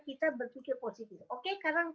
kita berpikir positif oke sekarang